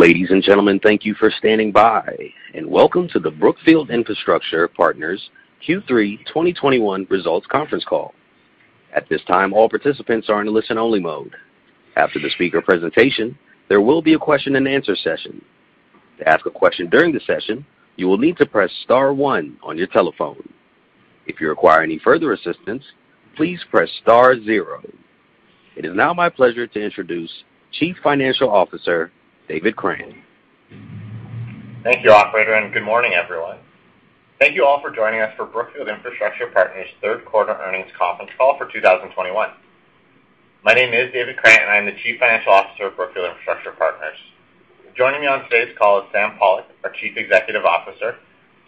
Ladies and gentlemen, thank you for standing by, and welcome to the Brookfield Infrastructure Partners Q3 2021 results conference call. At this time, all participants are in a listen-only mode. After the speaker presentation, there will be a question-and-answer session. To ask a question during the session, you will need to press star one on your telephone. If you require any further assistance, please press star zero. It is now my pleasure to introduce Chief Financial Officer, David Krant. Thank you, operator, and good morning, everyone. Thank you all for joining us for Brookfield Infrastructure Partners' third quarter earnings conference call for 2021. My name is David Krant, and I am the Chief Financial Officer of Brookfield Infrastructure Partners. Joining me on today's call is Sam Pollock, our Chief Executive Officer,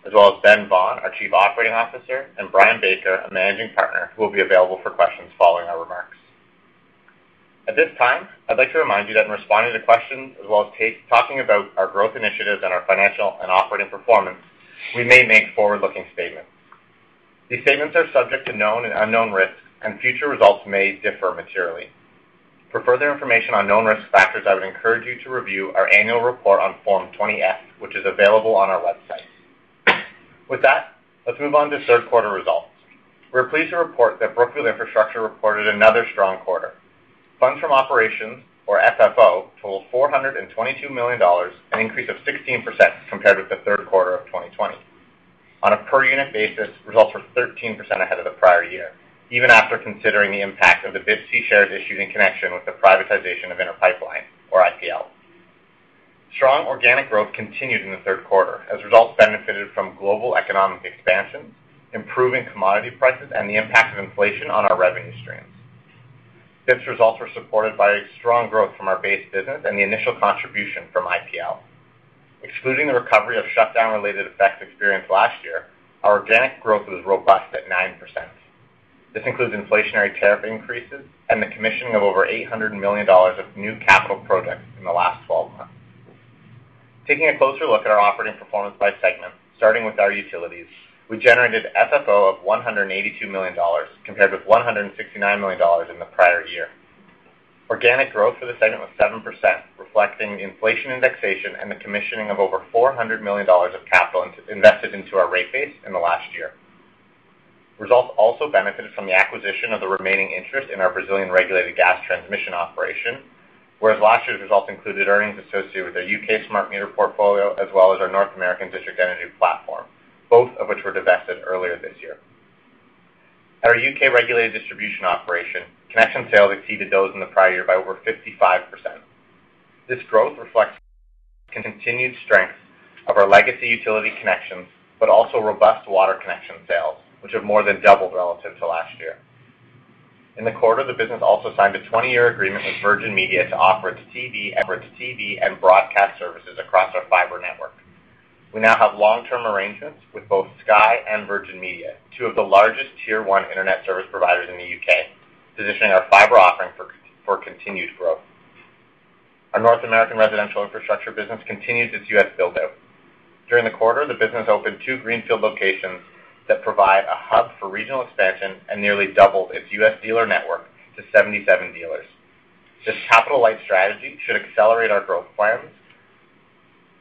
as well as Ben Vaughan, our Chief Operating Officer, and Brian Baker, a Managing Partner, who will be available for questions following our remarks. At this time, I'd like to remind you that in responding to questions as well as talking about our growth initiatives and our financial and operating performance, we may make forward-looking statements. These statements are subject to known and unknown risks, and future results may differ materially. For further information on known risk factors, I would encourage you to review our annual report on Form 20-F, which is available on our website. With that, let's move on to third quarter results. We're pleased to report that Brookfield Infrastructure reported another strong quarter. Funds from operations, or FFO, totaled $422 million, an increase of 16% compared with the third quarter of 2020. On a per unit basis, results were 13% ahead of the prior year, even after considering the impact of the BIPC shares issued in connection with the privatization of Inter Pipeline or IPL. Strong organic growth continued in the third quarter as results benefited from global economic expansion, improving commodity prices, and the impact of inflation on our revenue streams. These results were supported by strong growth from our base business and the initial contribution from IPL. Excluding the recovery of shutdown-related effects experienced last year, our organic growth was robust at 9%. This includes inflationary tariff increases and the commissioning of over $800 million of new capital projects in the last 12 months. Taking a closer look at our operating performance by segment, starting with our utilities, we generated FFO of $182 million compared with $169 million in the prior year. Organic growth for the segment was 7%, reflecting inflation indexation and the commissioning of over $400 million of capital invested into our rate base in the last year. Results also benefited from the acquisition of the remaining interest in our Brazilian regulated gas transmission operation, whereas last year's results included earnings associated with our U.K. smart meter portfolio, as well as our North American District Energy platform, both of which were divested earlier this year. At our U.K. regulated distribution operation, connection sales exceeded those in the prior year by over 55%. This growth reflects continued strength of our legacy utility connections, but also robust water connection sales, which have more than doubled relative to last year. In the quarter, the business also signed a 20-year agreement with Virgin Media to offer its TV, fixed TV, and broadcast services across our fiber network. We now have long-term arrangements with both Sky and Virgin Media, two of the largest tier one internet service providers in the U.K., positioning our fiber offering for continued growth. Our North American residential infrastructure business continues its U.S. build-out. During the quarter, the business opened two greenfield locations that provide a hub for regional expansion and nearly doubled its U.S. dealer network to 77 dealers. This capital-light strategy should accelerate our growth plans.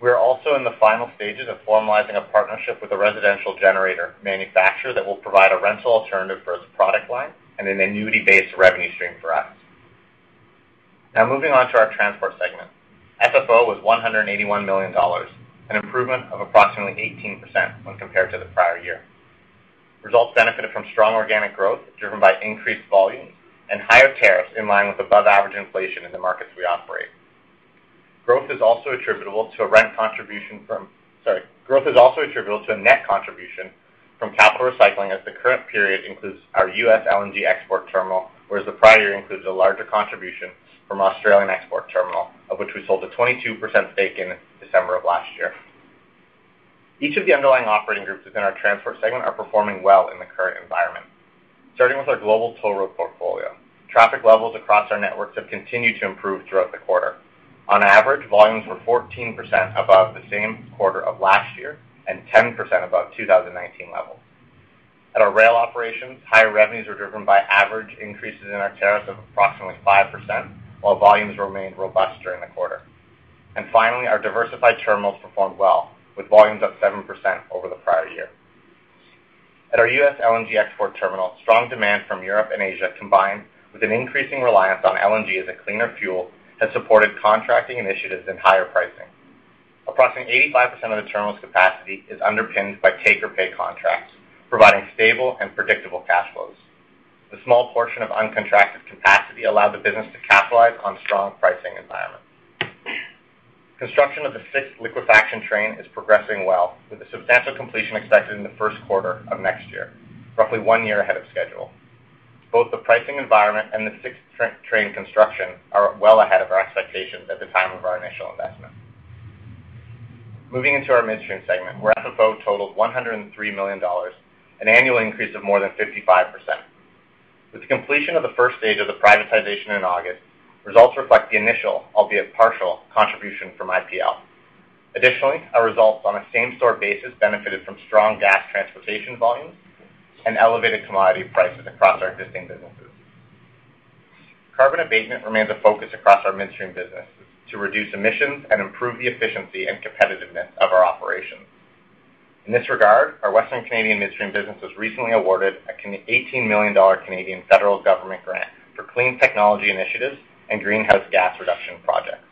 We are also in the final stages of formalizing a partnership with a residential generator manufacturer that will provide a rental alternative for its product line and an annuity-based revenue stream for us. Now, moving on to our transport segment. FFO was $181 million, an improvement of approximately 18% when compared to the prior year. Results benefited from strong organic growth driven by increased volumes and higher tariffs in line with above-average inflation in the markets we operate. Growth is also attributable to a rent contribution from. Growth is also attributable to a net contribution from capital recycling as the current period includes our U.S. LNG export terminal, whereas the prior year includes a larger contribution from Australian export terminal, of which we sold a 22% stake in December of last year. Each of the underlying operating groups within our Transport segment are performing well in the current environment. Starting with our global toll road portfolio, traffic levels across our networks have continued to improve throughout the quarter. On average, volumes were 14% above the same quarter of last year and 10% above 2019 levels. At our rail operations, higher revenues were driven by average increases in our tariffs of approximately 5%, while volumes remained robust during the quarter. Finally, our diversified terminals performed well, with volumes up 7% over the prior year. At our U.S. LNG export terminal, strong demand from Europe and Asia, combined with an increasing reliance on LNG as a cleaner fuel, has supported contracting initiatives and higher pricing. Approximately 85% of the terminal's capacity is underpinned by take-or-pay contracts, providing stable and predictable cash flows. The small portion of uncontracted capacity allowed the business to capitalize on strong pricing environment. Construction of the sixth liquefaction train is progressing well, with a substantial completion expected in the first quarter of next year, roughly one year ahead of schedule. Both the pricing environment and the sixth train construction are well ahead of our expectations at the time of our initial investment. Moving into our midstream segment, where FFO totaled $103 million, an annual increase of more than 55%. With the completion of the first stage of the privatization in August, results reflect the initial, albeit partial, contribution from IPL. Additionally, our results on a same-store basis benefited from strong gas transportation volumes and elevated commodity prices across our existing businesses. Carbon abatement remains a focus across our midstream business to reduce emissions and improve the efficiency and competitiveness of our operations. In this regard, our Western Canadian midstream business was recently awarded a 18 million Canadian dollars Canadian federal government grant for clean technology initiatives and greenhouse gas reduction projects.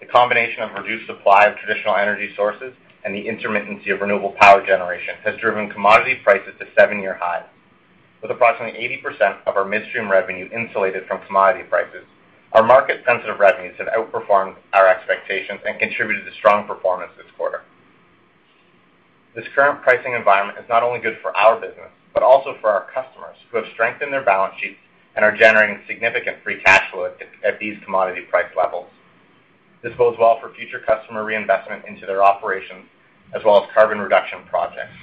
The combination of reduced supply of traditional energy sources and the intermittency of renewable power generation has driven commodity prices to seven-year highs. With approximately 80% of our midstream revenue insulated from commodity prices, our market-sensitive revenues have outperformed our expectations and contributed to strong performance this quarter. This current pricing environment is not only good for our business, but also for our customers who have strengthened their balance sheets and are generating significant free cash flow at these commodity price levels. This bodes well for future customer reinvestment into their operations as well as carbon reduction projects,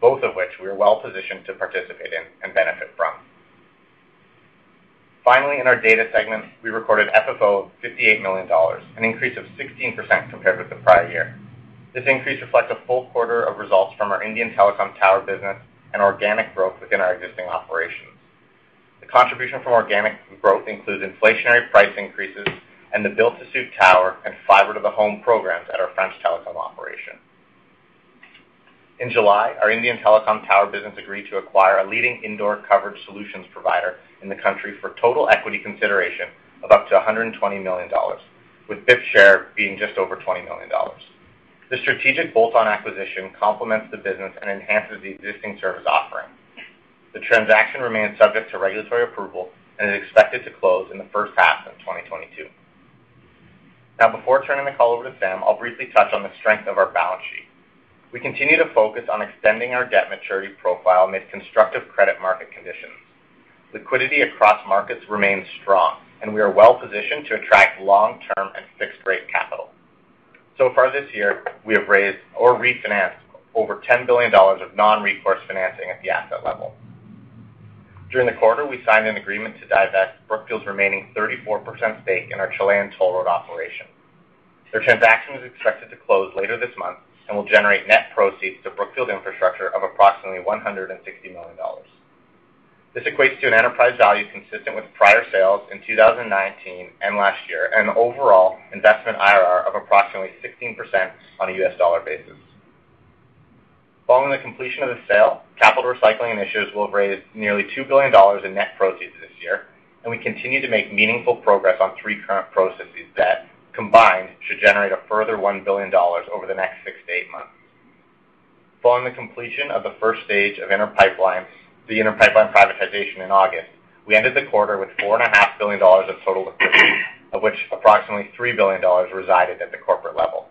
both of which we are well-positioned to participate in and benefit from. Finally, in our data segment, we recorded FFO of $58 million, an increase of 16% compared with the prior year. This increase reflects a full quarter of results from our Indian telecom tower business and organic growth within our existing operations. The contribution from organic growth includes inflationary price increases and the build-to-suit tower and fiber-to-the-home programs at our French telecom operation. In July, our Indian telecom tower business agreed to acquire a leading indoor coverage solutions provider in the country for total equity consideration of up to $120 million, with BIP's share being just over $20 million. The strategic bolt-on acquisition complements the business and enhances the existing service offering. The transaction remains subject to regulatory approval and is expected to close in the first half of 2022. Now, before turning the call over to Sam, I'll briefly touch on the strength of our balance sheet. We continue to focus on extending our debt maturity profile amid constructive credit market conditions. Liquidity across markets remains strong, and we are well-positioned to attract long-term and fixed-rate capital. So far this year, we have raised or refinanced over $10 billion of non-recourse financing at the asset level. During the quarter, we signed an agreement to divest Brookfield's remaining 34% stake in our Chilean toll road operation. The transaction is expected to close later this month and will generate net proceeds to Brookfield Infrastructure of approximately $160 million. This equates to an enterprise value consistent with prior sales in 2019 and last year, and an overall investment IRR of approximately 16% on a U.S. dollar basis. Following the completion of the sale, capital recycling initiatives will have raised nearly $2 billion in net proceeds this year, and we continue to make meaningful progress on three current processes that combined should generate a further $1 billion over the next six to eight months. Following the completion of the first stage of Inter Pipeline, the Inter Pipeline privatization in August, we ended the quarter with $4.5 billion of total liquidity, of which approximately $3 billion resided at the corporate level.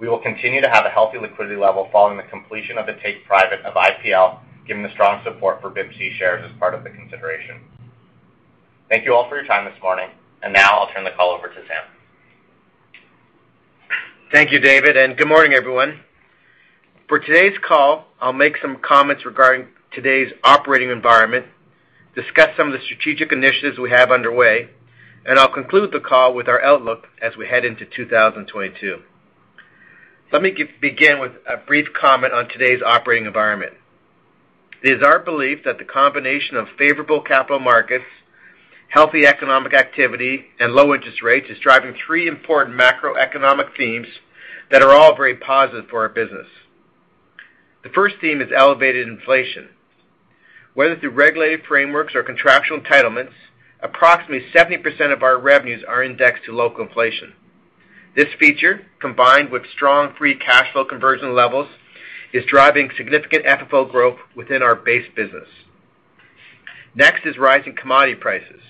We will continue to have a healthy liquidity level following the completion of the take private of IPL, given the strong support for BIPC shares as part of the consideration. Thank you all for your time this morning. Now I'll turn the call over to Sam. Thank you, David, and good morning, everyone. For today's call, I'll make some comments regarding today's operating environment, discuss some of the strategic initiatives we have underway, and I'll conclude the call with our outlook as we head into 2022. Let me begin with a brief comment on today's operating environment. It is our belief that the combination of favorable capital markets, healthy economic activity, and low interest rates is driving three important macroeconomic themes that are all very positive for our business. The first theme is elevated inflation. Whether through regulated frameworks or contractual entitlements, approximately 70% of our revenues are indexed to local inflation. This feature, combined with strong free cash flow conversion levels, is driving significant FFO growth within our base business. Next is rising commodity prices.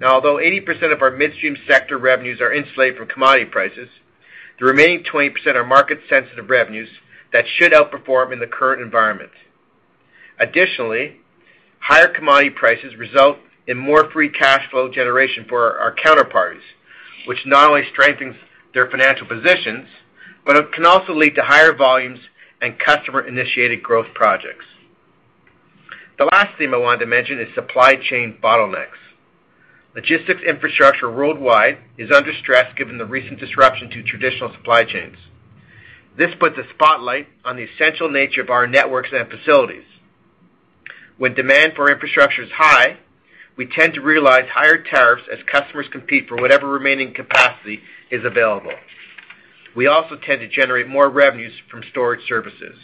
Now although 80% of our midstream sector revenues are insulated from commodity prices, the remaining 20% are market-sensitive revenues that should outperform in the current environment. Additionally, higher commodity prices result in more free cash flow generation for our counterparties, which not only strengthens their financial positions, but it can also lead to higher volumes and customer-initiated growth projects. The last theme I wanted to mention is supply chain bottlenecks. Logistics infrastructure worldwide is under stress given the recent disruption to traditional supply chains. This puts a spotlight on the essential nature of our networks and facilities. When demand for infrastructure is high, we tend to realize higher tariffs as customers compete for whatever remaining capacity is available. We also tend to generate more revenues from storage services.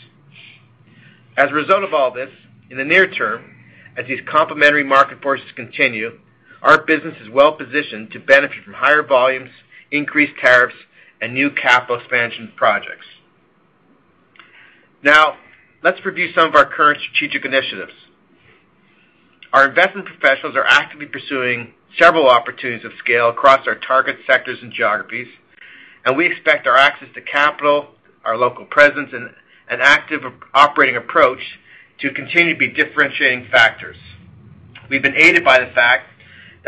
As a result of all this, in the near term, as these complementary market forces continue, our business is well positioned to benefit from higher volumes, increased tariffs, and new capital expansion projects. Now, let's review some of our current strategic initiatives. Our investment professionals are actively pursuing several opportunities of scale across our target sectors and geographies, and we expect our access to capital, our local presence, and an active operating approach to continue to be differentiating factors. We've been aided by the fact that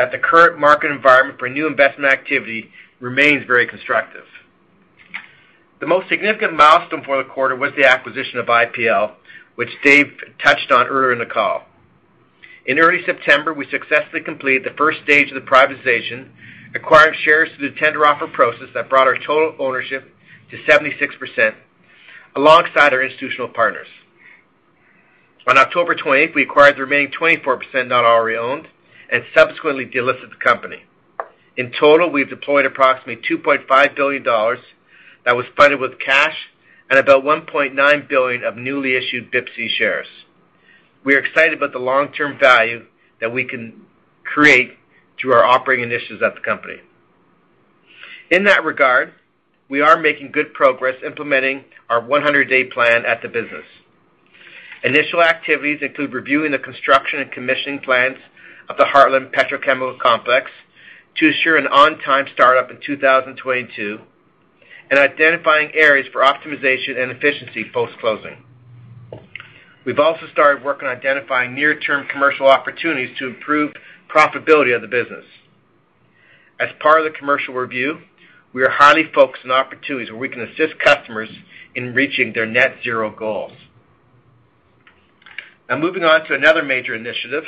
the current market environment for new investment activity remains very constructive. The most significant milestone for the quarter was the acquisition of IPL, which David touched on earlier in the call. In early September, we successfully completed the first stage of the privatization, acquiring shares through the tender offer process that brought our total ownership to 76%. Alongside our institutional partners. On October 20, we acquired the remaining 24% not already owned and subsequently delisted the company. In total, we've deployed approximately $2.5 billion that was funded with cash and about $1.9 billion of newly issued BIPC shares. We are excited about the long-term value that we can create through our operating initiatives at the company. In that regard, we are making good progress implementing our 100-day plan at the business. Initial activities include reviewing the construction and commissioning plans of the Heartland Petrochemical Complex to ensure an on-time start-up in 2022, and identifying areas for optimization and efficiency post-closing. We've also started work on identifying near-term commercial opportunities to improve profitability of the business. As part of the commercial review, we are highly focused on opportunities where we can assist customers in reaching their net zero goals. Now moving on to another major initiative.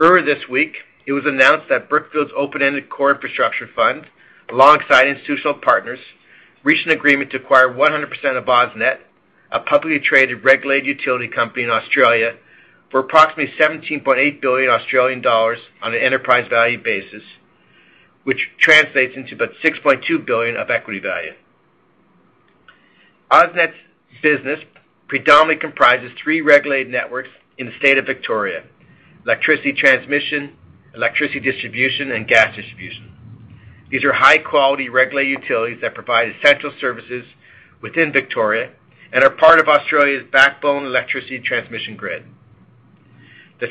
Earlier this week, it was announced that Brookfield's open-ended core infrastructure fund, alongside institutional partners, reached an agreement to acquire 100% of AusNet Services, a publicly traded regulated utility company in Australia, for approximately 17.8 billion Australian dollars on an enterprise value basis, which translates into about $6.2 billion of equity value. AusNet Services' business predominantly comprises three regulated networks in the state of Victoria: electricity transmission, electricity distribution, and gas distribution. These are high-quality regulated utilities that provide essential services within Victoria and are part of Australia's backbone electricity transmission grid. The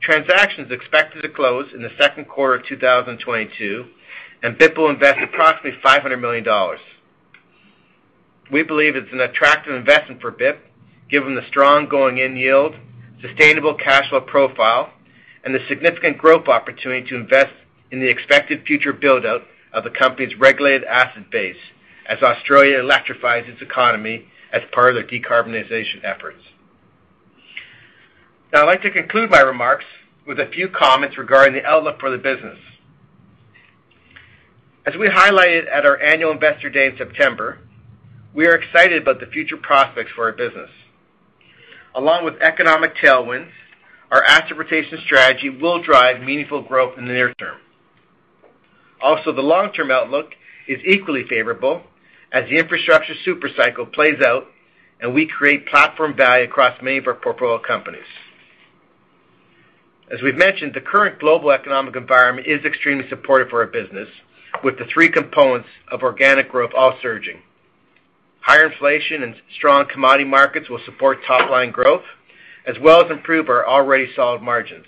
transaction is expected to close in the second quarter of 2022, and BIP will invest approximately $500 million. We believe it's an attractive investment for BIP, given the strong going-in yield, sustainable cash flow profile, and the significant growth opportunity to invest in the expected future build-out of the company's regulated asset base as Australia electrifies its economy as part of their decarbonization efforts. Now I'd like to conclude my remarks with a few comments regarding the outlook for the business. As we highlighted at our annual Investor Day in September, we are excited about the future prospects for our business. Along with economic tailwinds, our asset rotation strategy will drive meaningful growth in the near term. Also, the long-term outlook is equally favorable as the infrastructure super cycle plays out, and we create platform value across many of our portfolio companies. As we've mentioned, the current global economic environment is extremely supportive for our business, with the three components of organic growth all surging. Higher inflation and strong commodity markets will support top-line growth, as well as improve our already solid margins.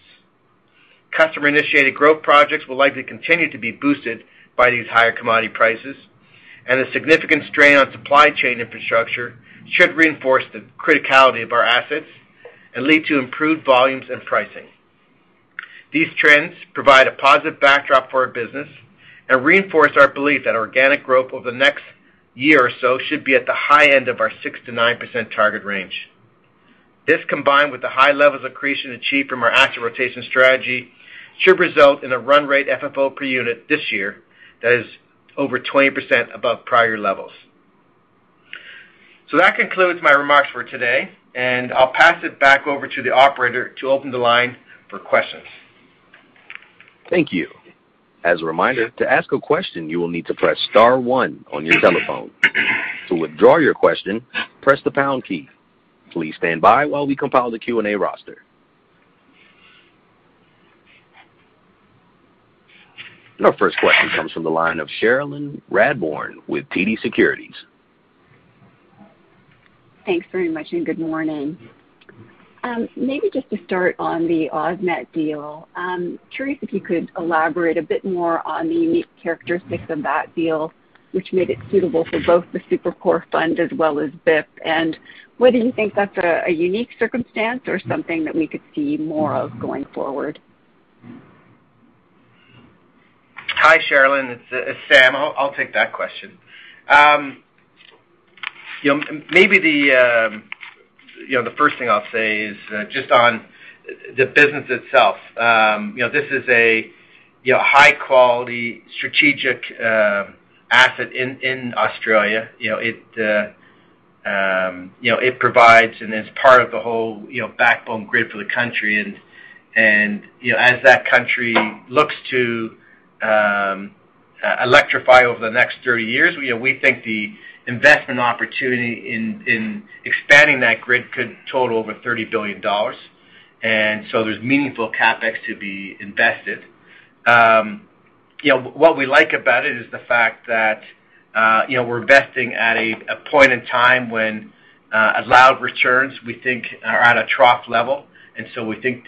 Customer-initiated growth projects will likely continue to be boosted by these higher commodity prices, and the significant strain on supply chain infrastructure should reinforce the criticality of our assets and lead to improved volumes and pricing. These trends provide a positive backdrop for our business and reinforce our belief that organic growth over the next year or so should be at the high end of our 6%-9% target range. This, combined with the high levels of accretion achieved from our asset rotation strategy, should result in a run rate FFO per unit this year that is over 20% above prior levels. That concludes my remarks for today, and I'll pass it back over to the operator to open the line for questions. Thank you. As a reminder, to ask a question, you will need to press star one on your telephone. To withdraw your question, press the pound key. Please stand by while we compile the Q&A roster. Our first question comes from the line of Cherilyn Radbourne with TD Securities. Thanks very much, and good morning. Maybe just to start on the AusNet deal. Curious if you could elaborate a bit more on the unique characteristics of that deal which made it suitable for both the Super-Core fund as well as BIP, and whether you think that's a unique circumstance or something that we could see more of going forward. Hi, Cherilyn. It's Sam. I'll take that question. You know, maybe the first thing I'll say is just on the business itself. You know, this is a high-quality strategic asset in Australia. You know, it provides and is part of the whole backbone grid for the country. You know, as that country looks to electrify over the next 30 years, you know, we think the investment opportunity in expanding that grid could total over $30 billion. There's meaningful CapEx to be invested. You know, what we like about it is the fact that we're investing at a point in time when allowed returns, we think, are at a trough level. We think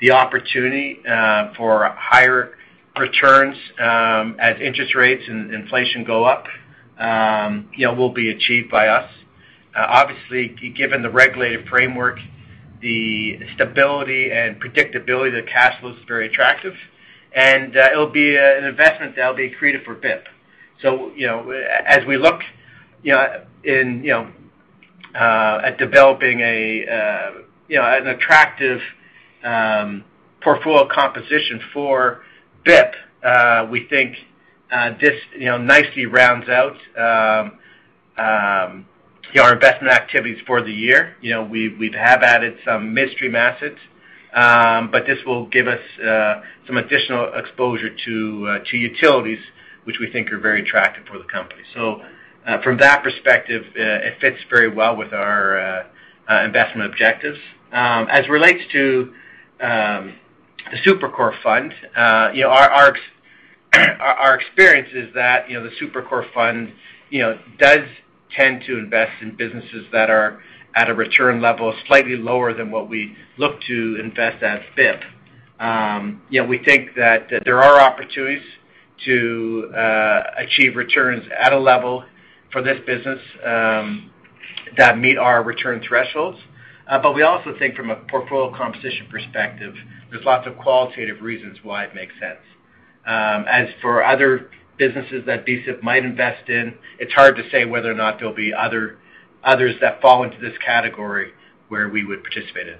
the opportunity for higher returns as interest rates and inflation go up, you know, will be achieved by us. Obviously, given the regulated framework, the stability and predictability of the cash flow is very attractive, and it'll be an investment that'll be accretive for BIP. You know, as we look at developing an attractive portfolio composition for BIP, we think this you know nicely rounds out our investment activities for the year. You know, we have added some midstream assets, but this will give us some additional exposure to utilities, which we think are very attractive for the company. From that perspective, it fits very well with our investment objectives. As it relates to the Super-Core fund, you know, our experience is that, you know, the Super-Core fund, you know, does tend to invest in businesses that are at a return level slightly lower than what we look to invest at BIP. We think that there are opportunities to achieve returns at a level for this business that meet our return thresholds. But we also think from a portfolio composition perspective, there's lots of qualitative reasons why it makes sense. As for other businesses that BSIP might invest in, it's hard to say whether or not there'll be others that fall into this category where we would participate in.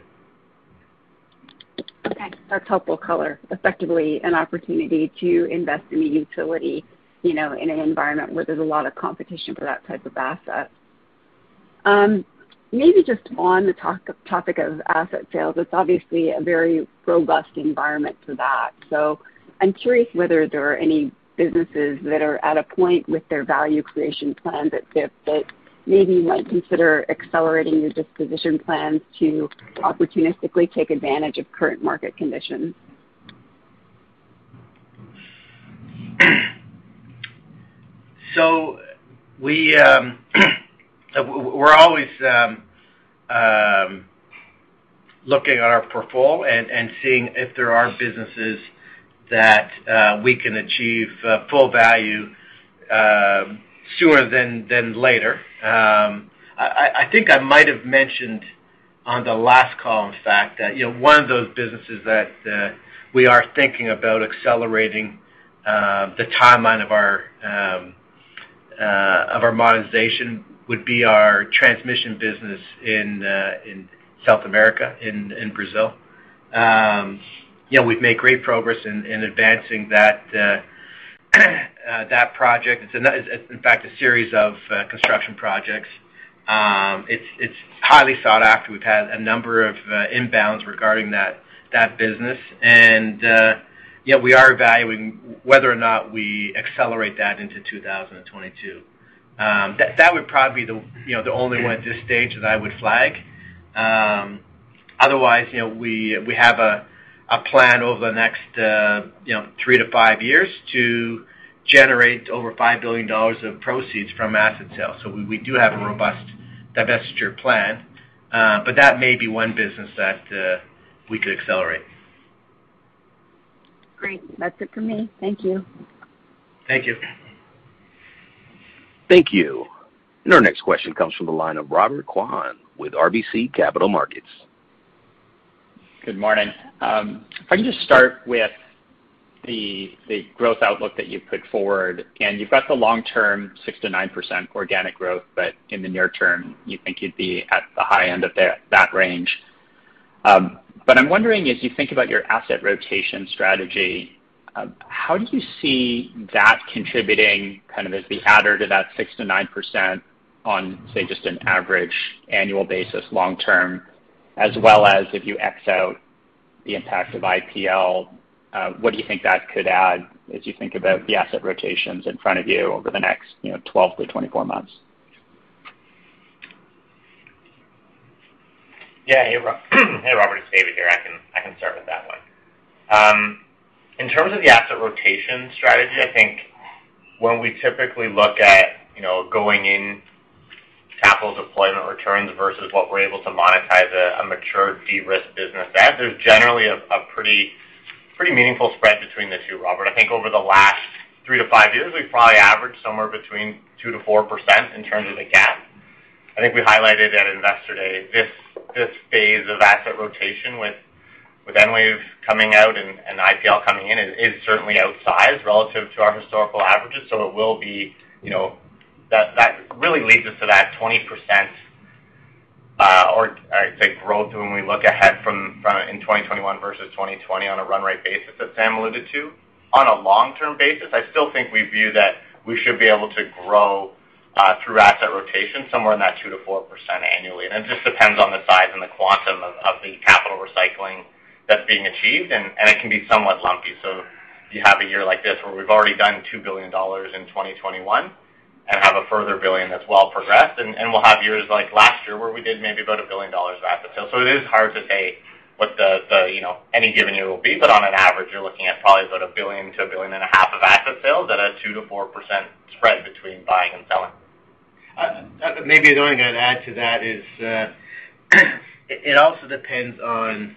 Okay. That's helpful color. Effectively, an opportunity to invest in the utility, you know, in an environment where there's a lot of competition for that type of asset. Maybe just on the topic of asset sales, it's obviously a very robust environment for that. I'm curious whether there are any businesses that are at a point with their value creation plan at BIP that maybe you might consider accelerating your disposition plans to opportunistically take advantage of current market conditions. We're always looking at our portfolio and seeing if there are businesses that we can achieve full value sooner than later. I think I might have mentioned on the last call, in fact, that you know, one of those businesses that we are thinking about accelerating the timeline of our monetization would be our transmission business in South America, in Brazil. You know, we've made great progress in advancing that project. It's, in fact, a series of construction projects. It's highly sought after. We've had a number of inbounds regarding that business. Yeah, we are evaluating whether or not we accelerate that into 2022. That would probably be, you know, the only one at this stage that I would flag. Otherwise, you know, we have a plan over the next, you know, three to five years to generate over $5 billion of proceeds from asset sales. We do have a robust divestiture plan, but that may be one business that we could accelerate. Great. That's it for me. Thank you. Thank you. Thank you. Our next question comes from the line of Robert Kwan with RBC Capital Markets. Good morning. If I can just start with the growth outlook that you put forward. You've got the long-term 6%-9% organic growth, but in the near term, you think you'd be at the high end of that range. I'm wondering, as you think about your asset rotation strategy, how do you see that contributing kind of as the adder to that 6%-9% on, say, just an average annual basis long term, as well as if you X out the impact of IPL, what do you think that could add as you think about the asset rotations in front of you over the next, you know, 12-24 months? Yeah. Hey, Robert, it's David here. I can start with that one. In terms of the asset rotation strategy, I think when we typically look at, you know, going in capital deployment returns versus what we're able to monetize a mature de-risk business at, there's generally a pretty meaningful spread between the two, Robert. I think over the last three to five years, we've probably averaged somewhere between 2%-4% in terms of the gap. I think we highlighted at Investor Day, this phase of asset rotation with Enwave coming out and IPL coming in is certainly outsized relative to our historical averages. It will be, you know. That really leads us to that 20%, or I'd say growth when we look ahead from in 2021 versus 2020 on a run rate basis that Sam alluded to. On a long-term basis, I still think we view that we should be able to grow through asset rotation somewhere in that 2%-4% annually. It just depends on the size and the quantum of the capital recycling that's being achieved, and it can be somewhat lumpy. You have a year like this where we've already done $2 billion in 2021 and have a further billion that's well progressed. We'll have years like last year where we did maybe about a billion dollars of asset sales. It is hard to say what the, you know, any given year will be, but on average, you're looking at probably about $1 billion-$1.5 billion of asset sales at a 2%-4% spread between buying and selling. Maybe the only thing I'd add to that is, it also depends on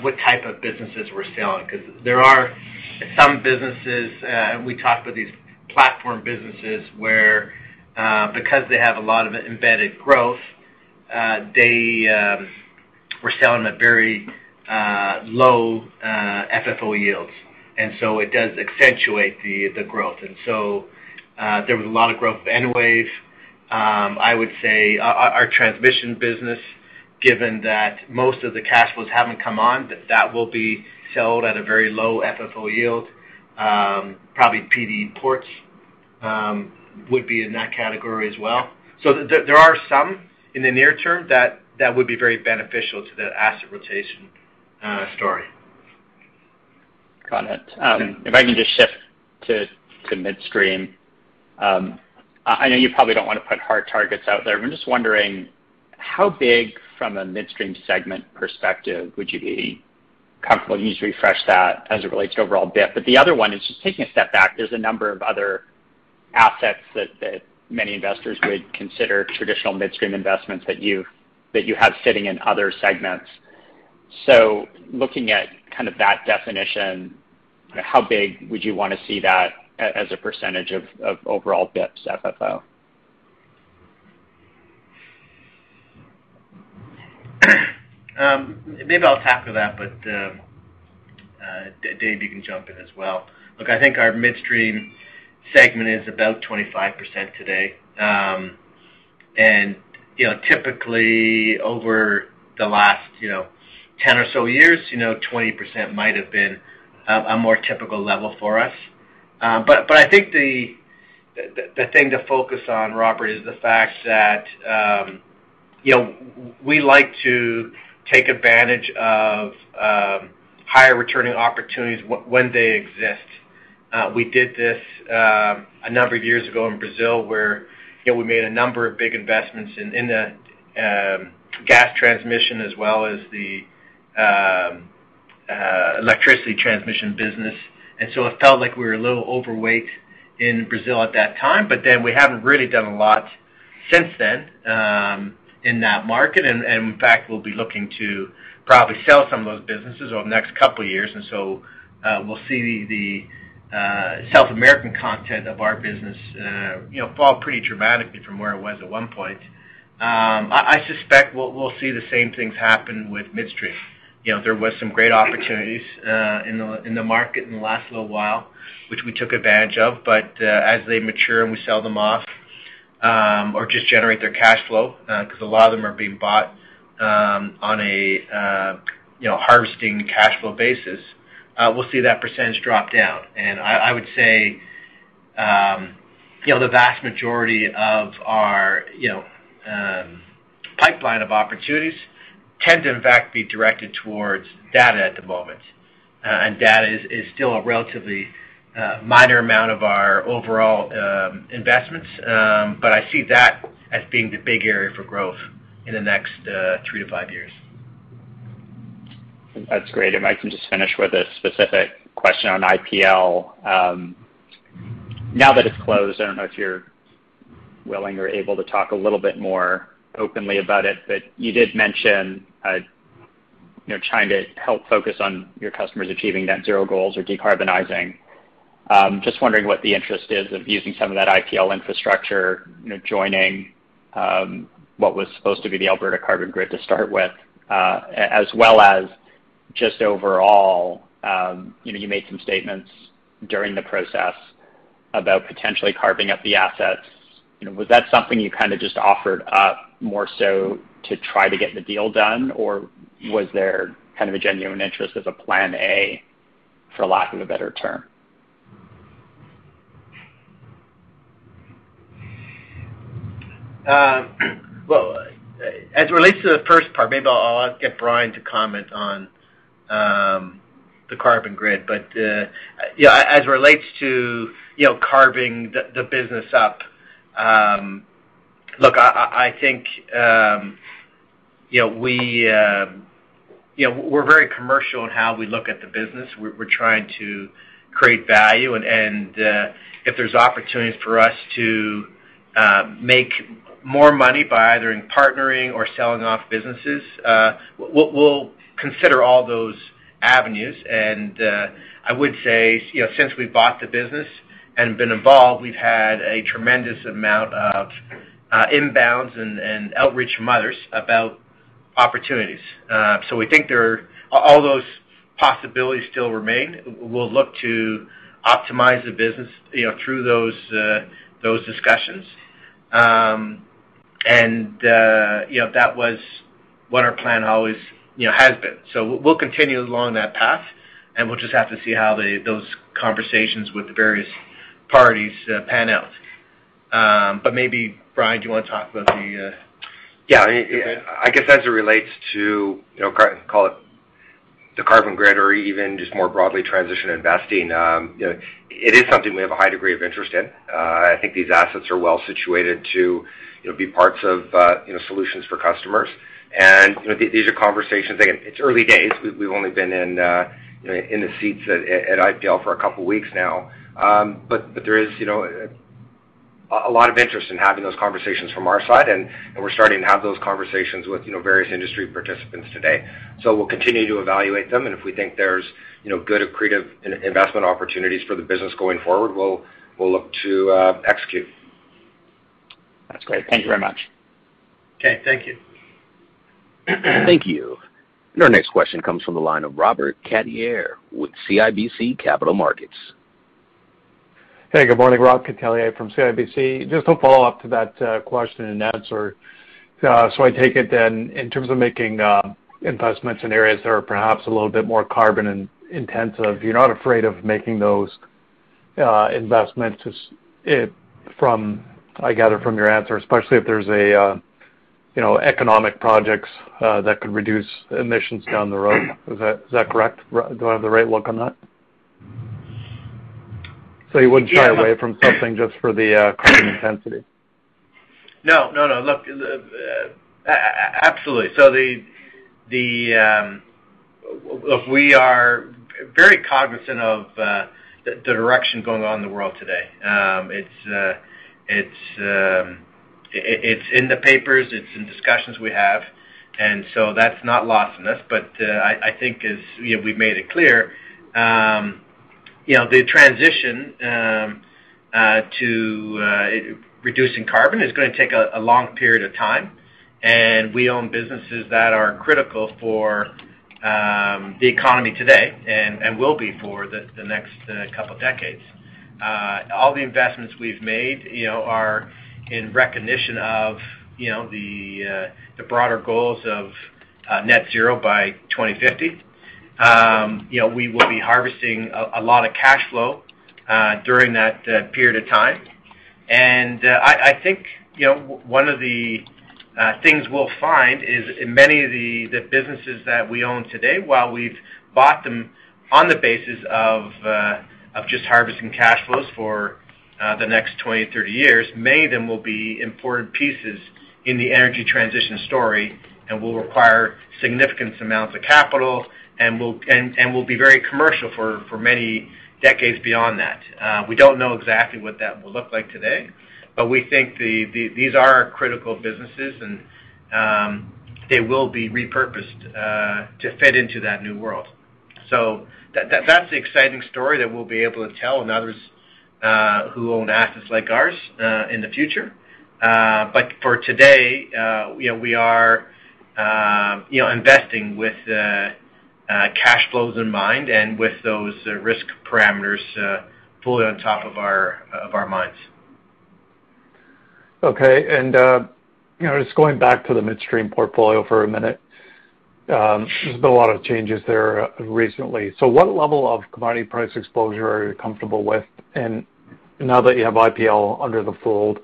what type of businesses we're selling. 'Cause there are some businesses, and we talked with these platform businesses where, because they have a lot of embedded growth, they were selling at very low FFO yields. It does accentuate the growth. There was a lot of growth of Enwave. I would say our transmission business. Given that most of the cash flows haven't come on, that will be sold at a very low FFO yield. Probably PD Ports would be in that category as well. There are some in the near term that would be very beneficial to the asset rotation story. Got it. If I can just shift to midstream. I know you probably don't wanna put hard targets out there, but I'm just wondering how big from a midstream segment perspective would you be comfortable? Can you just refresh that as it relates to overall BIP? The other one is just taking a step back. There's a number of other assets that many investors would consider traditional midstream investments that you have sitting in other segments. Looking at kind of that definition, how big would you wanna see that as a percentage of overall BIP's FFO? Maybe I'll tackle that, but Dave, you can jump in as well. Look, I think our midstream segment is about 25% today. And you know, typically over the last, you know, 10 or so years, you know, 20% might have been a more typical level for us. But I think the thing to focus on, Robert, is the fact that, you know, we like to take advantage of higher returning opportunities when they exist. We did this a number of years ago in Brazil, where, you know, we made a number of big investments in the gas transmission as well as the electricity transmission business. It felt like we were a little overweight in Brazil at that time. We haven't really done a lot since then in that market. In fact, we'll be looking to probably sell some of those businesses over the next couple of years. We'll see the South American content of our business, you know, fall pretty dramatically from where it was at one point. I suspect we'll see the same things happen with midstream. You know, there was some great opportunities in the market in the last little while, which we took advantage of. As they mature and we sell them off, or just generate their cash flow, 'cause a lot of them are being bought on a you know, harvesting cash flow basis, we'll see that percentage drop down. I would say, you know, the vast majority of our, you know, pipeline of opportunities tend to in fact be directed towards data at the moment. Data is still a relatively minor amount of our overall investments. I see that as being the big area for growth in the next three to five years. That's great. If I can just finish with a specific question on IPL. Now that it's closed, I don't know if you're willing or able to talk a little bit more openly about it, but you did mention, you know, trying to help focus on your customers achieving net zero goals or decarbonizing. Just wondering what the interest is of using some of that IPL infrastructure, you know, joining what was supposed to be the Alberta Carbon Grid to start with. As well as just overall, you know, you made some statements during the process about potentially carving up the assets. You know, was that something you kind of just offered up more so to try to get the deal done, or was there kind of a genuine interest as a plan A for lack of a better term? Well, as it relates to the first part, maybe I'll get Brian to comment on the carbon grid. Yeah, as it relates to you know carving the business up, look, I think you know we're very commercial in how we look at the business. We're trying to create value. If there's opportunities for us to make more money by either partnering or selling off businesses, we'll consider all those avenues. I would say you know since we bought the business and been involved, we've had a tremendous amount of inbounds and outreach from others about opportunities. We think there are all those possibilities still remain. We'll look to optimize the business you know through those discussions. You know, that was what our plan always, you know, has been. We'll continue along that path, and we'll just have to see how those conversations with the various parties pan out. Maybe, Brian, do you wanna talk about the- Yeah. I guess as it relates to, you know, call it the carbon grid or even just more broadly transition investing, you know, it is something we have a high degree of interest in. I think these assets are well situated to, you know, be parts of, you know, solutions for customers. You know, these are conversations. Again, it's early days. We've only been in, you know, in the seats at IPL for a couple weeks now. But there is, you know, a lot of interest in having those conversations from our side, and we're starting to have those conversations with, you know, various industry participants today. We'll continue to evaluate them, and if we think there's, you know, good accretive investment opportunities for the business going forward, we'll look to execute. That's great. Thank you very much. Okay, thank you. Thank you. Our next question comes from the line of Robert Catellier with CIBC Capital Markets. Hey, good morning. Rob Catellier from CIBC. Just to follow up to that question and answer. I take it then in terms of making investments in areas that are perhaps a little bit more carbon-intensive, you're not afraid of making those investments just from I gather from your answer, especially if there's a you know, economic projects that could reduce emissions down the road. Is that correct? Do I have the right take on that? You wouldn't shy away from something just for the carbon intensity. No. Look, absolutely. Look, we are very cognizant of the direction going on in the world today. It's in the papers, it's in discussions we have, and so that's not lost on us. I think as you know, we've made it clear, you know, the transition to reducing carbon is gonna take a long period of time, and we own businesses that are critical for the economy today and will be for the next couple decades. All the investments we've made, you know, are in recognition of you know, the broader goals of net zero by 2050. You know, we will be harvesting a lot of cash flow during that period of time. I think, you know, one of the things we'll find is in many of the businesses that we own today, while we've bought them on the basis of just harvesting cash flows for the next 20, 30 years, many of them will be important pieces in the energy transition story and will require significant amounts of capital and will be very commercial for many decades beyond that. We don't know exactly what that will look like today, but we think these are our critical businesses and they will be repurposed to fit into that new world. That's the exciting story that we'll be able to tell and others who own assets like ours in the future. For today, you know, we are, you know, investing with cash flows in mind and with those risk parameters fully on top of our minds. Okay. You know, just going back to the midstream portfolio for a minute. There's been a lot of changes there recently. What level of commodity price exposure are you comfortable with? Now that you have IPL under the fold,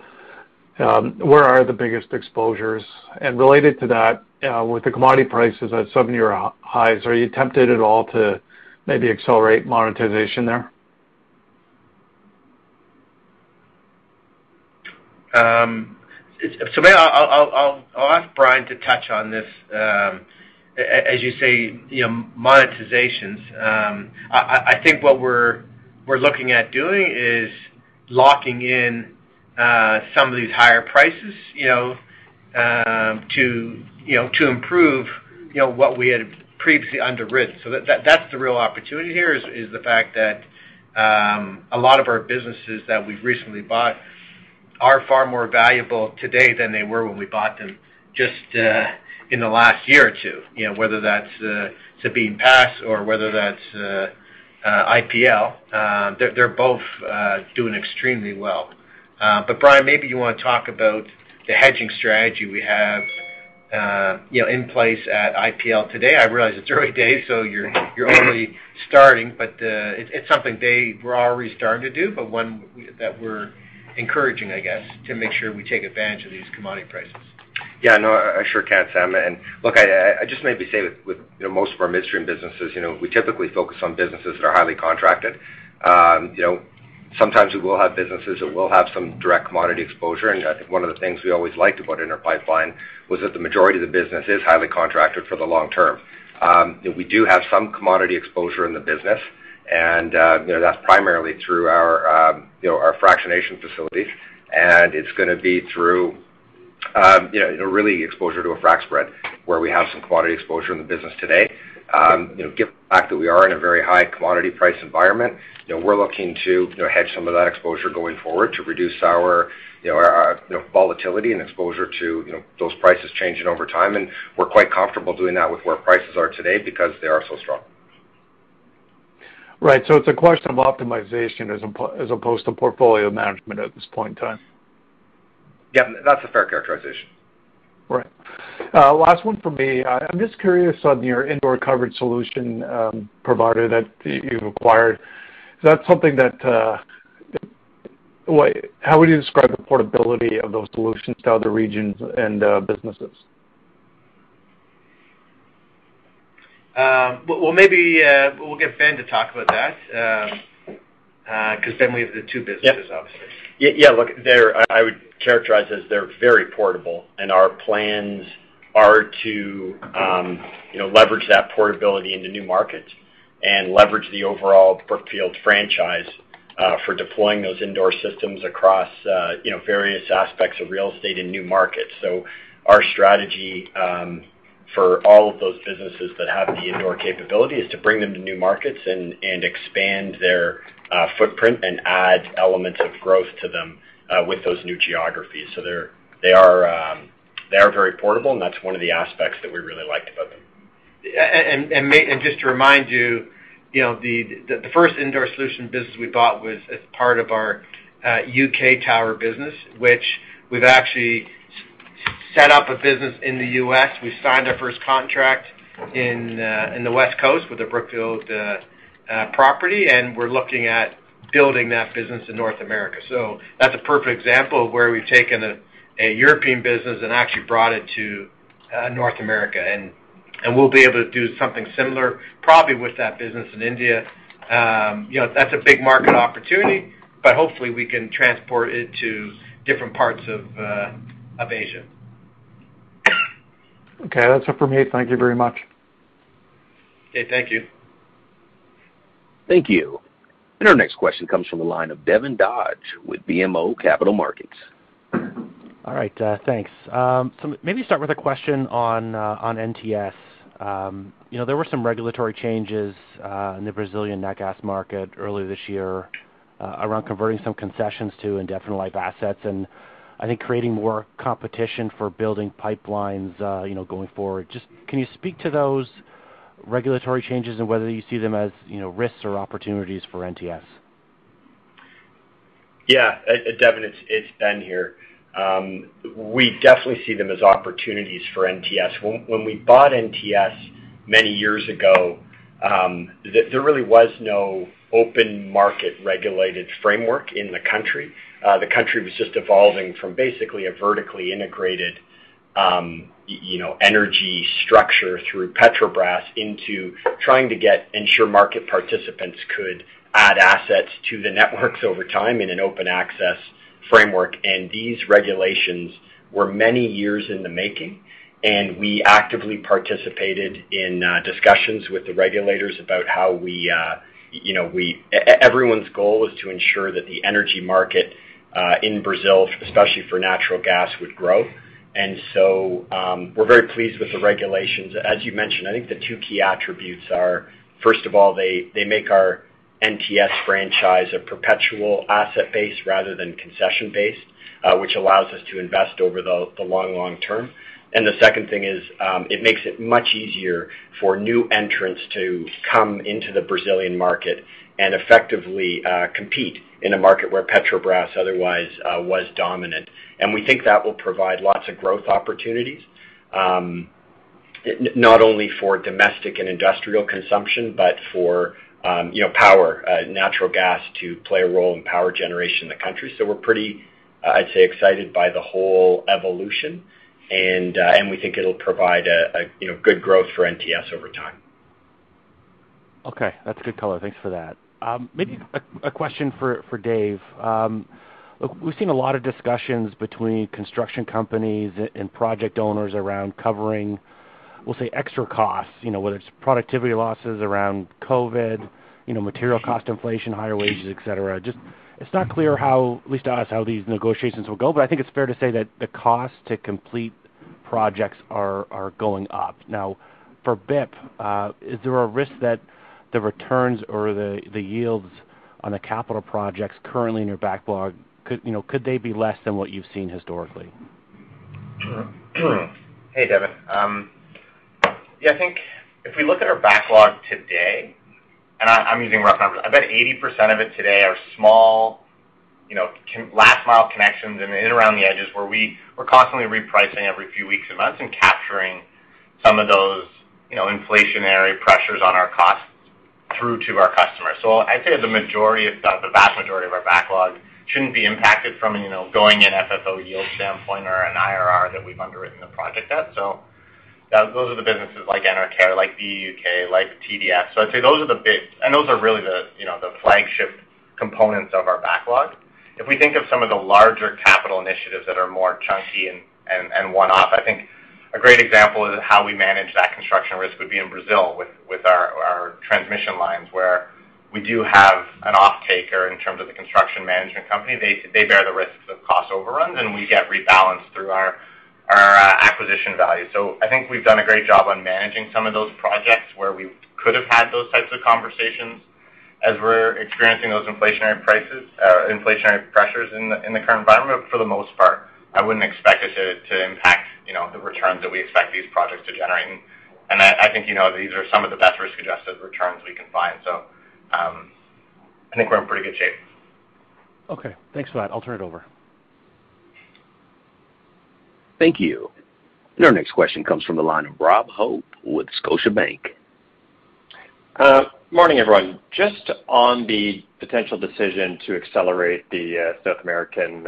where are the biggest exposures? Related to that, with the commodity prices at seven-year highs, are you tempted at all to maybe accelerate monetization there? So maybe I'll ask Brian to touch on this. As you say, you know, monetizations, I think what we're looking at doing is locking in some of these higher prices, you know, to improve what we had previously underwritten. That's the real opportunity here is the fact that a lot of our businesses that we've recently bought are far more valuable today than they were when we bought them just in the last year or two. You know, whether that's Sabine Pass or whether that's IPL, they're both doing extremely well. Brian, maybe you wanna talk about the hedging strategy we have, you know, in place at IPL today. I realize it's early days, so you're only starting, but it's something they were already starting to do, but one that we're encouraging, I guess, to make sure we take advantage of these commodity prices. Yeah. No, I sure can, Sam. Look, I might just say with you know, most of our midstream businesses, you know, we typically focus on businesses that are highly contracted. You know, sometimes we will have businesses that will have some direct commodity exposure, and one of the things we always liked about Inter Pipeline was that the majority of the business is highly contracted for the long term. We do have some commodity exposure in the business, and you know, that's primarily through our you know, our fractionation facilities, and it's gonna be through you know, really exposure to a frac spread where we have some commodity exposure in the business today. You know, given the fact that we are in a very high commodity price environment, you know, we're looking to, you know, hedge some of that exposure going forward to reduce our volatility and exposure to those prices changing over time. We're quite comfortable doing that with where prices are today because they are so strong. Right. It's a question of optimization as opposed to portfolio management at this point in time. Yeah. That's a fair characterization. Right. Last one for me. I'm just curious on your indoor coverage solution provider that you've acquired. Is that something that, how would you describe the portability of those solutions to other regions and businesses? Well, maybe we'll get Ben to talk about that, 'cause Ben, we have the two businesses, obviously. Yeah. Yeah, look, I would characterize them as very portable, and our plans are to, you know, leverage that portability into new markets and leverage the overall Brookfield franchise for deploying those indoor systems across, you know, various aspects of real estate in new markets. Our strategy for all of those businesses that have the indoor capability is to bring them to new markets and expand their footprint and add elements of growth to them with those new geographies. They are very portable, and that's one of the aspects that we really liked about them. And just to remind you know, the first indoor solution business we bought was as part of our U.K. tower business, which we've actually set up a business in the U.S. We signed our first contract in the West Coast with the Brookfield property, and we're looking at building that business in North America. That's a perfect example of where we've taken a European business and actually brought it to North America. We'll be able to do something similar probably with that business in India. You know, that's a big market opportunity, but hopefully we can transport it to different parts of Asia. Okay. That's it for me. Thank you very much. Okay. Thank you. Thank you. Our next question comes from the line of Devin Dodge with BMO Capital Markets. All right, thanks. Maybe start with a question on NTS. You know, there were some regulatory changes in the Brazilian natural gas market earlier this year around converting some concessions to indefinite life assets, and I think creating more competition for building pipelines, you know, going forward. Just can you speak to those regulatory changes and whether you see them as, you know, risks or opportunities for NTS? Yeah. Devin, it's Ben here. We definitely see them as opportunities for NTS. When we bought NTS many years ago, there really was no open market regulated framework in the country. The country was just evolving from basically a vertically integrated, you know, energy structure through Petrobras into trying to ensure market participants could add assets to the networks over time in an open access framework. These regulations were many years in the making, and we actively participated in discussions with the regulators about how we, you know, everyone's goal is to ensure that the energy market in Brazil, especially for natural gas, would grow. We're very pleased with the regulations. As you mentioned, I think the two key attributes are, first of all, they make our NTS franchise a perpetual asset base rather than concession-based, which allows us to invest over the long term. The second thing is, it makes it much easier for new entrants to come into the Brazilian market and effectively compete in a market where Petrobras otherwise was dominant. We think that will provide lots of growth opportunities, not only for domestic and industrial consumption, but for, you know, power, natural gas to play a role in power generation in the country. We're pretty, I'd say, excited by the whole evolution. We think it'll provide a, you know, good growth for NTS over time. Okay. That's a good color. Thanks for that. Maybe a question for David. We've seen a lot of discussions between construction companies and project owners around covering, we'll say, extra costs, you know, whether it's productivity losses around COVID, you know, material cost inflation, higher wages, et cetera. Just it's not clear how, at least to us, how these negotiations will go, but I think it's fair to say that the cost to complete projects are going up. Now, for BIP, is there a risk that the returns or the yields on the capital projects currently in your backlog, you know, could they be less than what you've seen historically? Hey, Devin. Yeah, I think if we look at our backlog today, and I'm using rough numbers. I bet 80% of it today are small, you know, last mile connections and in and around the edges where we're constantly repricing every few weeks and months and capturing some of those, you know, inflationary pressures on our costs through to our customers. I'd say the vast majority of our backlog shouldn't be impacted from, you know, going in FFO yield standpoint or an IRR that we've underwritten the project at. Those are the businesses like Enercare, like BUUK, like TDF. I'd say those are the big. Those are really the, you know, the flagship components of our backlog. If we think of some of the larger capital initiatives that are more chunky and one-off, I think a great example of how we manage that construction risk would be in Brazil with our transmission lines, where we do have an offtaker in terms of the construction management company. They bear the risks of cost overruns, and we get rebalanced through our acquisition value. I think we've done a great job on managing some of those projects where we could have had those types of conversations as we're experiencing those inflationary prices or inflationary pressures in the current environment. For the most part, I wouldn't expect it to impact, you know, the returns that we expect these projects to generate. I think, you know, these are some of the best risk-adjusted returns we can find. I think we're in pretty good shape. Okay. Thanks for that. I'll turn it over. Thank you. Our next question comes from the line of Rob Hope with Scotiabank. Morning, everyone. Just on the potential decision to accelerate the South American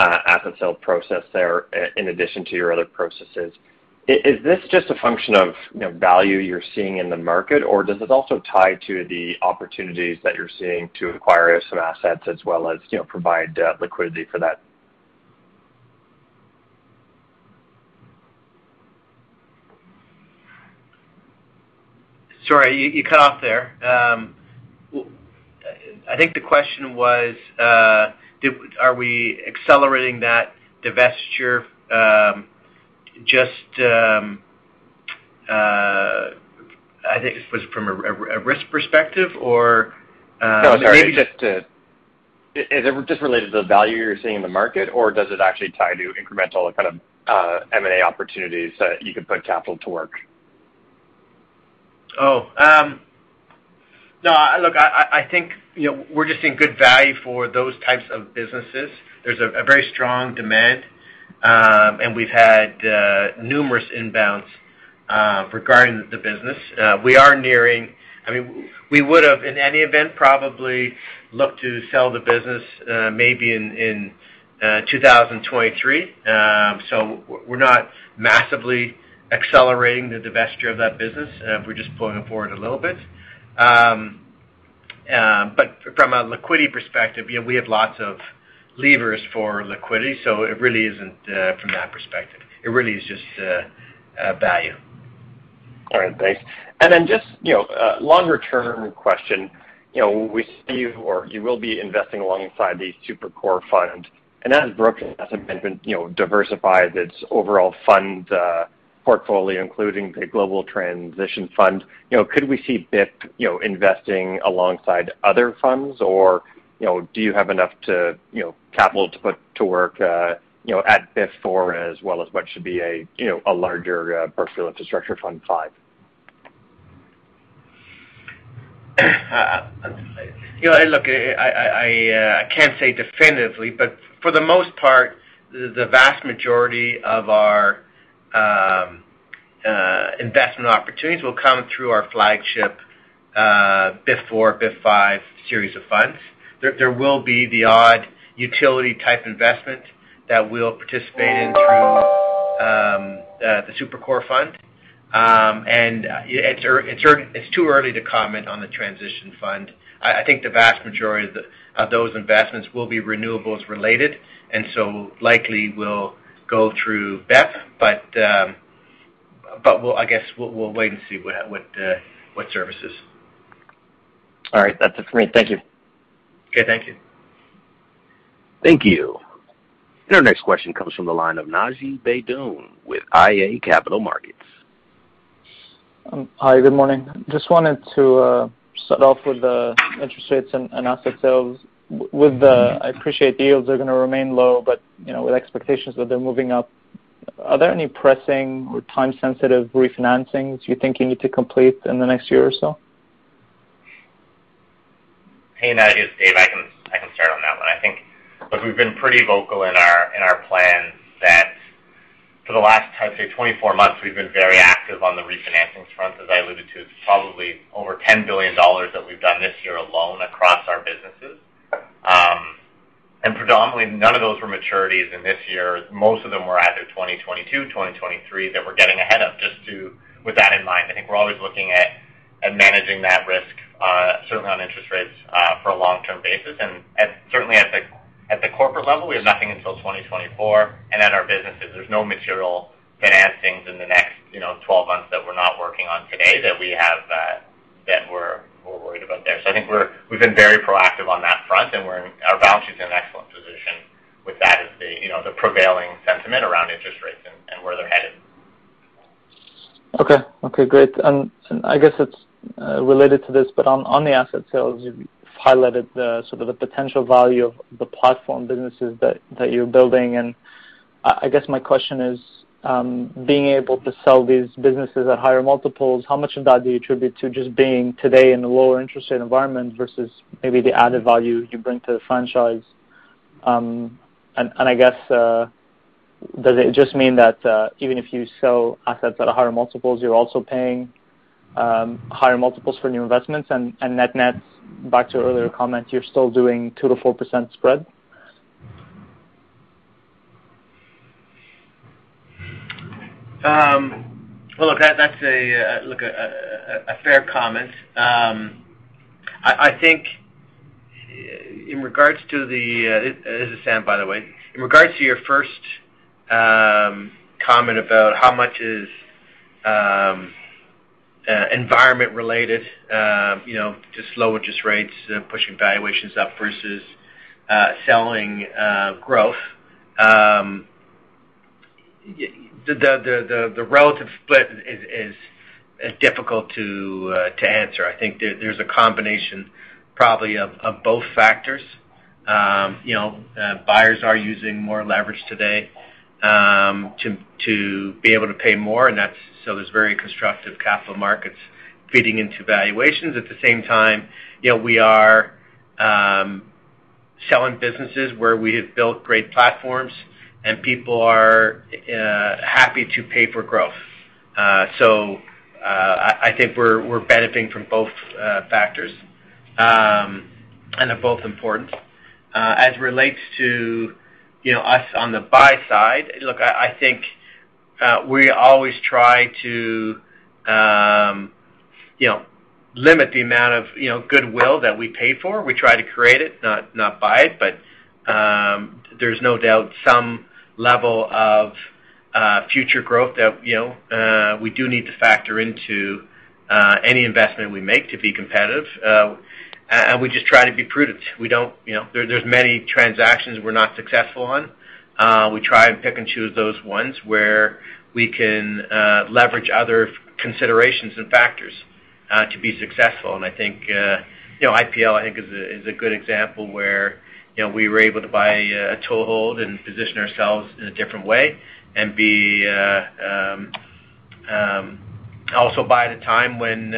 asset sale process there in addition to your other processes, is this just a function of, you know, value you're seeing in the market, or does this also tie to the opportunities that you're seeing to acquire some assets as well as, you know, provide liquidity for that? Sorry, you cut off there. I think the question was, are we accelerating that divestiture, just, I think it was from a risk perspective or- No, sorry. Is it just related to the value you're seeing in the market, or does it actually tie to incremental kind of M&A opportunities that you could put capital to work? No, look, I think, you know, we're just seeing good value for those types of businesses. There's a very strong demand, and we've had numerous inbounds regarding the business. I mean, we would have, in any event, probably looked to sell the business, maybe in 2023. We're not massively accelerating the divestiture of that business. We're just pulling it forward a little bit. From a liquidity perspective, you know, we have lots of levers for liquidity, so it really isn't from that perspective. It really is just value. All right. Thanks. Just, you know, a longer-term question. You know, we see you or you will be investing alongside the Super-Core Fund, and as Brookfield, as I mentioned, you know, diversifies its overall fund portfolio, including the Global Transition Fund, you know, could we see BIP, you know, investing alongside other funds? Or, you know, do you have enough to, you know, capital to put to work, you know, at BIF IV as well as what should be a, you know, a larger Brookfield Infrastructure Fund V? You know, look, I can't say definitively, but for the most part, the vast majority of our investment opportunities will come through our flagship BIF IV, BIF V series of funds. There will be the odd utility-type investment that we'll participate in through the Super-Core Fund. It's too early to comment on the transition fund. I think the vast majority of those investments will be renewables-related, and so likely will go through BIF. I guess we'll wait and see what services. All right. That's it for me. Thank you. Okay. Thank you. Thank you. Our next question comes from the line of Naji Baydoun with iA Capital Markets. Hi, good morning. Just wanted to start off with the interest rates and asset sales. I appreciate yields are gonna remain low, but you know, with expectations that they're moving up, are there any pressing or time-sensitive refinancings you think you need to complete in the next year or so? Hey, Naji. It's David. I can start on that one. I think, look, we've been pretty vocal in our plans that for the last, I'd say, 24 months, we've been very active on the refinancing front. As I alluded to, it's probably over $10 billion that we've done this year alone across our businesses. Predominantly, none of those were maturities in this year. Most of them were either 2022, 2023 that we're getting ahead of. With that in mind, I think we're always looking at managing that risk, certainly on interest rates, for a long-term basis. Certainly at the corporate level, we have nothing until 2024. At our businesses, there's no material financings in the next, you know, 12 months that we're not working on today that we have that we're worried about there. I think we've been very proactive on that front, and our balance sheet's in an excellent position with that as the, you know, the prevailing sentiment around interest rates and where they're headed. Okay, great. I guess it's related to this, but on the asset sales, you've highlighted the sort of the potential value of the platform businesses that you're building. I guess my question is, being able to sell these businesses at higher multiples, how much of that do you attribute to just being today in a lower interest rate environment versus maybe the added value you bring to the franchise? I guess, does it just mean that even if you sell assets at higher multiples, you're also paying higher multiples for new investments? Net-net, back to your earlier comment, you're still doing 2%-4% spread? Well, look, that's a fair comment. I think in regards to the... This is Sam, by the way. In regards to your first comment about how much is environment related, you know, just lower interest rates pushing valuations up versus selling growth, the relative split is difficult to answer. I think there's a combination probably of both factors. You know, buyers are using more leverage today to be able to pay more, and that's so there's very constructive capital markets feeding into valuations. At the same time, you know, we are selling businesses where we have built great platforms and people are happy to pay for growth. I think we're benefiting from both factors, and they're both important. As it relates to you know us on the buy side, look, I think we always try to you know limit the amount of you know goodwill that we pay for. We try to create it, not buy it. There's no doubt some level of future growth that you know we do need to factor into any investment we make to be competitive. We just try to be prudent. We don't, you know. There's many transactions we're not successful on. We try and pick and choose those ones where we can leverage other considerations and factors to be successful. I think, you know, IPL I think is a good example where, you know, we were able to buy a toehold and position ourselves in a different way and also buy at a time when,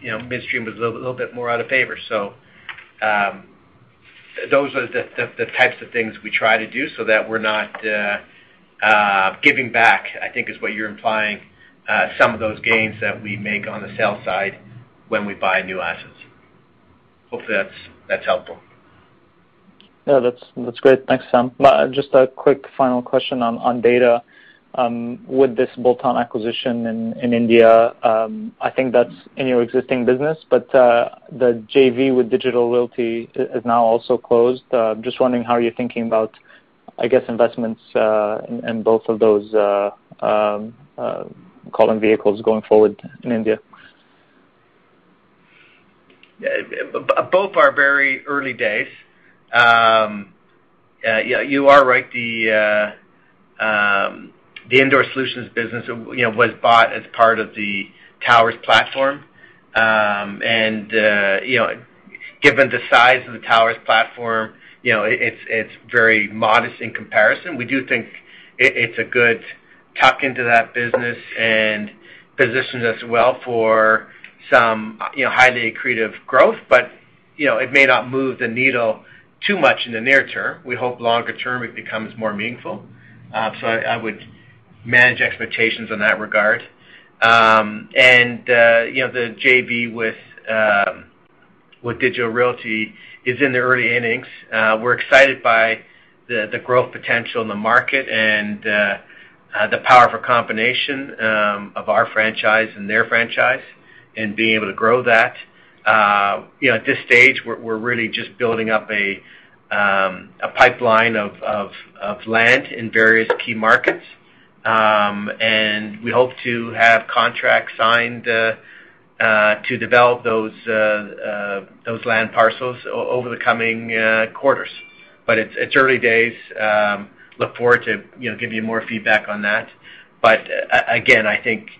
you know, midstream was a little bit more out of favor. Those are the types of things we try to do so that we're not giving back, I think is what you're implying, some of those gains that we make on the sale side when we buy new assets. Hopefully that's helpful. Yeah, that's great. Thanks, Sam. Just a quick final question on data. With this bolt-on acquisition in India, I think that's in your existing business, but the JV with Digital Realty is now also closed. Just wondering how you're thinking about, I guess, investments in both of those column vehicles going forward in India. Both are very early days. Yeah, you are right. The indoor solutions business, you know, was bought as part of the towers platform. Given the size of the towers platform, you know, it's very modest in comparison. We do think it's a good tuck into that business and positions us well for some, you know, highly accretive growth. It may not move the needle too much in the near term. We hope longer term it becomes more meaningful. I would manage expectations in that regard. The JV with Digital Realty is in the early innings. We're excited by the growth potential in the market and the power of a combination of our franchise and their franchise and being able to grow that. You know, at this stage, we're really just building up a pipeline of land in various key markets. We hope to have contracts signed to develop those land parcels over the coming quarters. It's early days. I look forward to, you know, give you more feedback on that. Again, I think,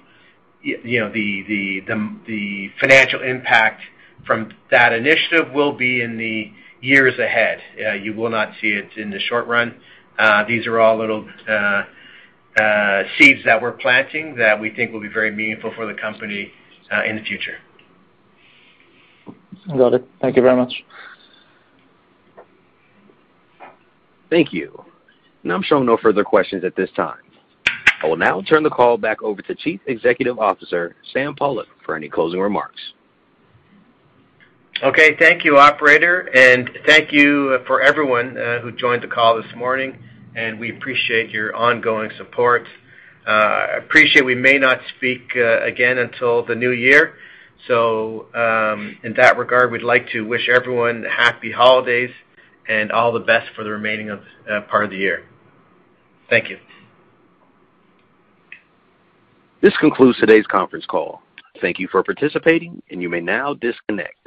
you know, the financial impact from that initiative will be in the years ahead. You will not see it in the short run. These are all little seeds that we're planting that we think will be very meaningful for the company in the future. Got it. Thank you very much. Thank you. Now I'm showing no further questions at this time. I will now turn the call back over to Chief Executive Officer, Sam Pollock, for any closing remarks. Okay. Thank you, operator, and thank you for everyone who joined the call this morning, and we appreciate your ongoing support. We appreciate we may not speak again until the new year. In that regard, we'd like to wish everyone happy holidays and all the best for the remaining part of the year. Thank you. This concludes today's conference call. Thank you for participating, and you may now disconnect.